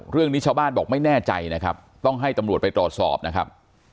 เรื่องนี้ชาวบ้านบอกไม่แน่ใจนะครับต้องให้ตำรวจไปตรวจสอบนะครับ